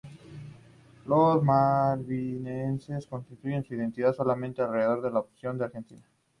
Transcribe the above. Los malvinenses construyen su identidad solamente alrededor de la oposición a la Argentina.